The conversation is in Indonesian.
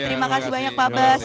terima kasih banyak pak bas